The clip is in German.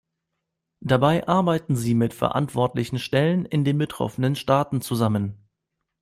Dabei arbeiten sie mit verantwortlichen Stellen in den betroffenen Staaten zusammen.